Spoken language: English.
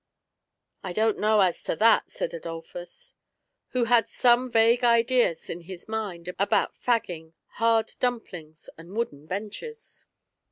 " I don't know as to that," said Adolphus, who had some vague ideas in his mind about facing, hard dump lings, and wooden benches.